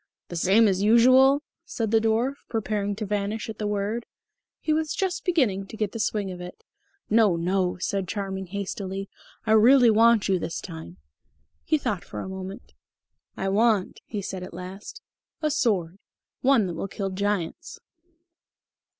"The same as usual?" said the dwarf, preparing to vanish at the word. He was just beginning to get into the swing of it. "No, no," said Charming hastily. "I really want you this time." He thought for a moment. "I want," he said at last, "a sword. One that will kill giants."